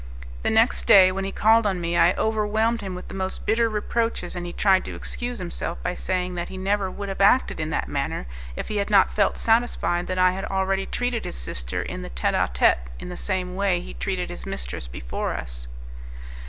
The next day, when he called on me, I overwhelmed him with the most bitter reproaches, and he tried to excuse himself by saying that he never would have acted in that manner if he had not felt satisfied that I had already treated his sister in the tete a tete in the same way that he treated his mistress before us.